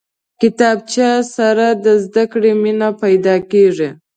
کتابچه سره د زده کړې مینه پیدا کېږي